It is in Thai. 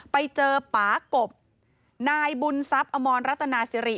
ไปเจอปากบนายบุญทรัพย์อมรรัตนาสิริ